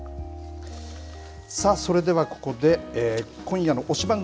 さあ、それではここで、今夜の推しバン！